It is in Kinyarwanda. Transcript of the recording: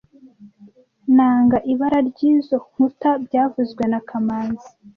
Nanga ibara ryizo nkuta byavuzwe na kamanzi